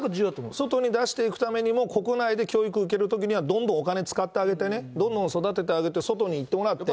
外に出していくためにも、国内で教育を受けるときにはどんどんお金使ってね、どんどん育ててあげて外に行ってもらって。